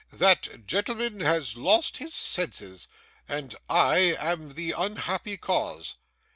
That gentleman has lost his senses, and I am the unhappy cause.